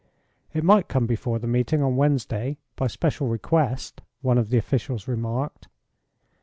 "It might come before the meeting on Wednesday, by special request," one of the officials remarked.